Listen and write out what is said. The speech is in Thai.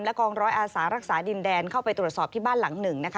กองร้อยอาสารักษาดินแดนเข้าไปตรวจสอบที่บ้านหลังหนึ่งนะคะ